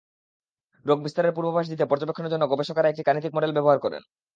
রোগ বিস্তারের পূর্বাভাস দিতে পর্যবেক্ষণের জন্য গবেষকেরা একটি গাণিতিক মডেল ব্যবহার করেন।